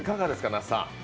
那須さん。